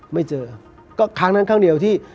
ไม่เจอก็ครั้งนั้นครั้งเดียวที่